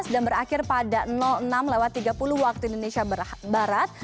dan berakhir pada enam tiga puluh waktu indonesia barat